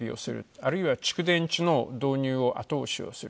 あるいは蓄電池の導入を後押しをする。